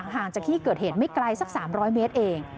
ห่างจากที่เกิดเหตุไม่ไกลสัก๓๐๐เมตรเอง